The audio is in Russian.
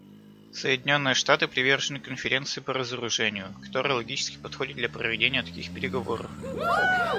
Соединенные Штаты привержены Конференции по разоружению, которая логически подходит для проведения таких переговоров.